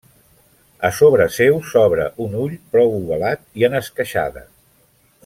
A sobre seu s'obre un ull prou ovalat i en esqueixada.